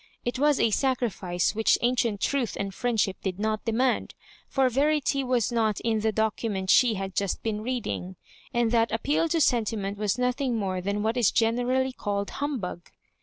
It was a sacrifice which an. cient truth and friendship did not demand, for verity was not in the document sl.e had just been reading, and that appeal to sentiment was no* thing more than what is generally called hum bug.